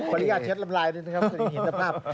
บริการเช็ดลำลายด้วยนะครับสักทีเห็นภาพ